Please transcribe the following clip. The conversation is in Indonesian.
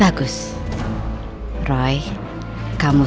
bagus roy kamu sudah selesai mencari dirimu